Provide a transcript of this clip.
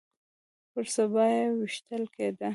پر سبا يې ويشتل کېده.